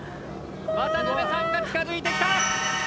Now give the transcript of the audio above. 渡さんが近づいてきた。